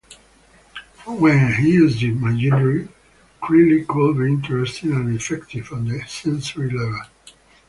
When he used imagery, Creeley could be interesting and effective on the sensory level.